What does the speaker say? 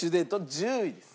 １０位です。